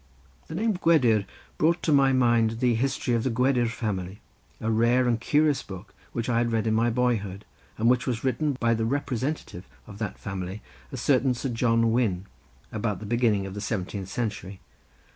The name of Gwedir brought to my mind the History of the Gwedir Family, a rare and curious book which I had read in my boyhood and which was written by the representative of that family, a certain Sir John Wynne, about the beginning of the seventeenth century.